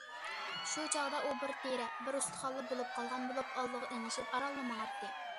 شۇ چاغدا ئۇ بىر تېرە، بىر ئۇستىخانلا بولۇپ قالغان بولۇپ، ئالدىغا ئېڭىشىپ ئارانلا ماڭاتتى.